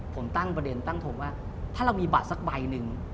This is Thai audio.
ผมตั้งประเด็นตั้งทงว่าถ้าเรามีบัตรสักใบหนึ่ง